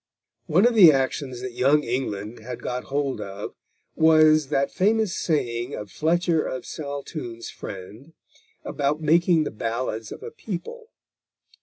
One of the notions that Young England had got hold of was that famous saying of Fletcher of Saltoun's friend about making the ballads of a people.